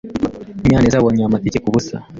Munyaneza yabonye aya matike kubusa.